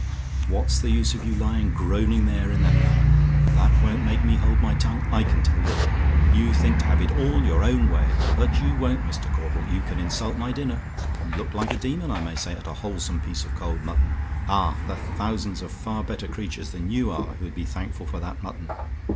"What's the use of your lying groaning there in that manner? That won't make me hold my tongue, I can tell you. You think to have it all your own way but you won't, Mr. Caudle! You can insult my dinner; look like a demon, I may say, at a wholesome piece of cold mutton ah! the thousands of far better creatures than you are who'd been thankful for that mutton!